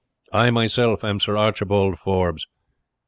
I myself am Sir Archibald Forbes."